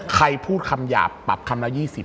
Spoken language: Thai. ใครพูดคำหยาบปรับคำนั้น๒๐แล้ว